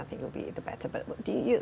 untuk memperbaiki sistem pendidikan kita